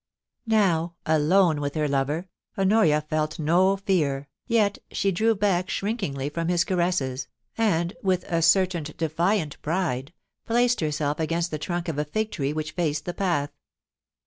Now, alone with her lover, Honoria felt no fear, yet she drew back shrinkingly from his caresses, 266 POLICY AND PASSION, and, with a certain defiant pride, placed herself against the trunk of a fig tree which faced the path.